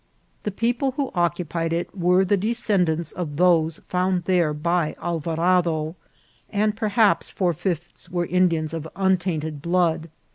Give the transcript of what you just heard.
The people who occupied it were the descendants of those found there by Alvarado, and perhaps four fifths were In dians of untainted blood.